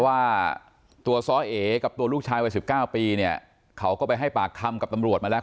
ว่าตัวซ้อเอกับตัวลูกชายวัย๑๙ปีเนี่ยเขาก็ไปให้ปากคำกับตำรวจมาแล้ว